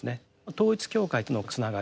統一教会とのつながり。